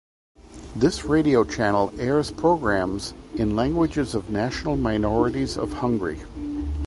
This radio channel airs programmes in languages of national minorities of Hungary.